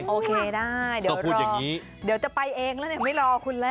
โอเคได้เดี๋ยวจะไปเองแล้วไม่รอคุณแล้ว